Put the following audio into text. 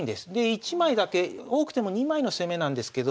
１枚だけ多くても２枚の攻めなんですけど